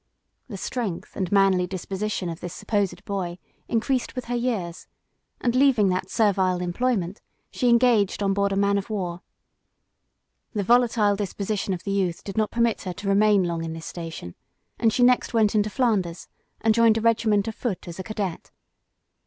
The strength and manly disposition of this supposed boy increased with her years, and leaving that servile employment, she engaged on board a man of war. The volatile disposition of the youth did not permit her to remain long in this station, and she next went into Flanders, and joined a regiment of foot as a cadet.